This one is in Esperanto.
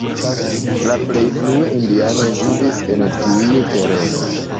La plej frue indianoj vivis en tiu tereno.